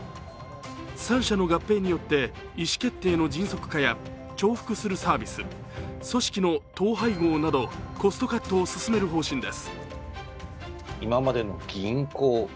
３社の合併による意思決定の迅速化や重複するサービス、組織の統廃合なと、コストカットを進める方針です。